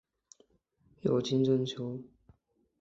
尤金真蚓。